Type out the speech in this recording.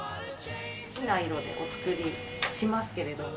好きな色でお作りしますけれども。